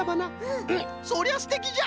うんそりゃすてきじゃ！